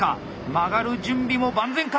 曲がる準備も万全か！